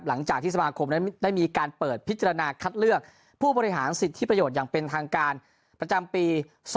หลังจากที่สมาคมนั้นได้มีการเปิดพิจารณาคัดเลือกผู้บริหารสิทธิประโยชน์อย่างเป็นทางการประจำปี๒๕๖